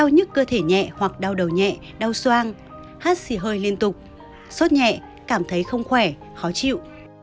nhẹ hoặc đau đầu nhẹ đau soang hát xỉ hơi liên tục sốt nhẹ cảm thấy không khỏe khó chịu